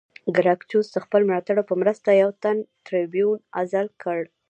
ګراکچوس د خپلو ملاتړو په مرسته یو تن ټربیون عزل کړ